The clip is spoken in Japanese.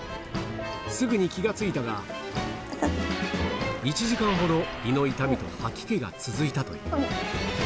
すぐに気が付いたが、１時間ほど、胃の痛みと吐き気が続いたという。